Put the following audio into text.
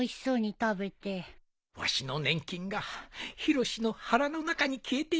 わしの年金がヒロシの腹の中に消えていく。